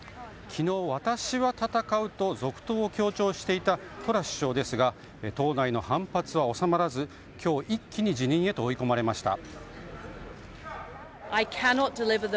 昨日、私は闘うと続投を強調していたトラス首相ですが党内の反発は収まらず今日、一気に辞任へと追い込まれました。